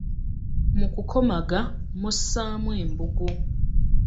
Mu kukomaga mussamu embugo.